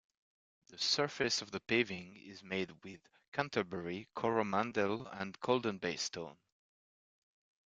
The surface of the paving is made with Canterbury, Coromandel and Golden Bay stone.